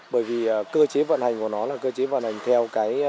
bởi vì cơ chế vận hành của nó là cơ chế vận hành theo cái quy trình ổn định nhiệt